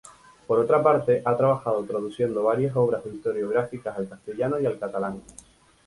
Por otra parte, ha trabajado traduciendo varias obras historiográficas al castellano y al catalán.